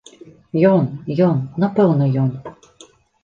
Ён, ён, напэўна, ён!